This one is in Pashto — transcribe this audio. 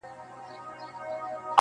خدايه سندرو کي مي ژوند ونغاړه